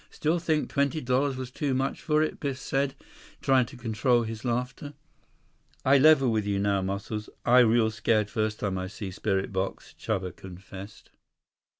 Still think twenty dollars was too much for it?" Biff said, trying to control his laughter. "I level with you now, Muscles. I real scared first time I see spirit box," Chuba confessed.